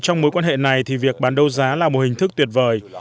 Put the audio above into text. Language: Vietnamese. trong mối quan hệ này thì việc bán đấu giá là một hình thức tuyệt vời